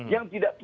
yang tidak tulis